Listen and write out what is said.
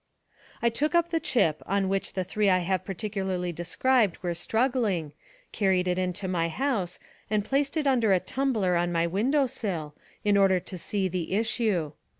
I took up the chip on which the three I have particularly described were struggling, carried it into my house, and placed it under a tumbler on my window sill, in order to see the issue.